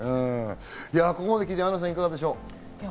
ここまで聞いて、アンナさん、いかがでしょう？